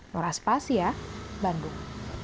noraspas ya bandung